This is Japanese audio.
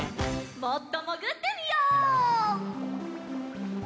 もっともぐってみよう。